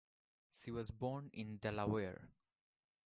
She was born in Delaware.